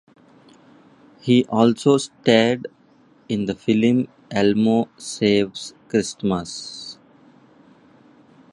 He also starred in the film "Elmo Saves Christmas".